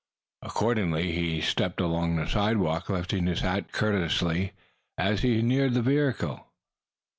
Accordingly, he stepped along the sidewalk, lifting his hat courteously as he neared the vehicle.